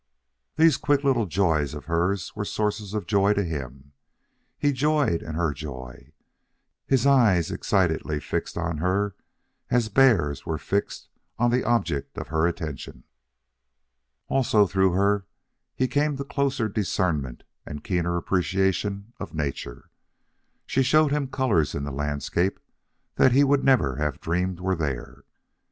These quick little joys of hers were sources of joy to him. He joyed in her joy, his eyes as excitedly fixed on her as hers were fixed on the object of her attention. Also through her he came to a closer discernment and keener appreciation of nature. She showed him colors in the landscape that he would never have dreamed were there.